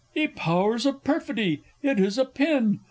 _ Ye powers of Perfidy, it is a pin!